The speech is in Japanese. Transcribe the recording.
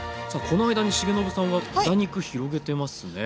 この間に重信さんは豚肉広げてますね。